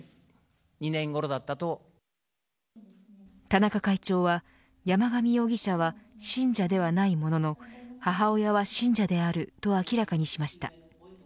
田中会長は山上容疑者は信者ではないものの母親は信者であると明らかにしました。